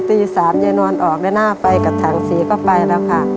ตีสามยายนวลออกแล้วหน้าไปกระแถงศรีก็ไปแล้วค่ะ